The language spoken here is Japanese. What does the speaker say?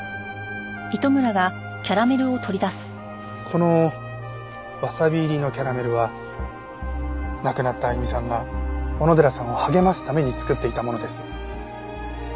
このわさび入りのキャラメルは亡くなった亜由美さんが小野寺さんを励ますために作っていたものです。